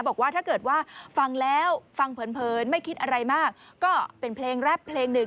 บอกว่าถ้าเกิดว่าฟังแล้วฟังเผินไม่คิดอะไรมากก็เป็นเพลงแรปเพลงหนึ่ง